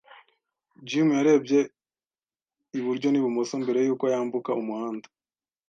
Jim yarebye iburyo n'ibumoso mbere yuko yambuka umuhanda.